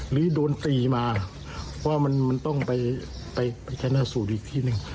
หรือโดนตีมาเพราะมันต้องไปชนะสูตรอีกที่หนึ่ง